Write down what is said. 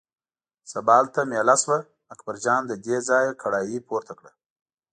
سبا هلته مېله شوه، اکبرجان له دې ځایه کړایی پورته کړه.